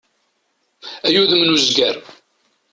Ay udem n uzger!